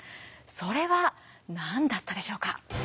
それは何だったでしょうか。